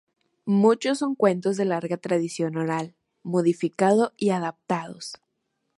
Muchos son cuentos de larga tradición oral, modificado y adaptados.